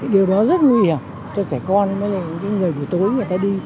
điều đó rất nguy hiểm tôi trẻ con mấy người buổi tối người ta đi